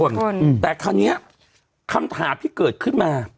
คนแต่คราวนี้คำถามที่เกิดขึ้นมา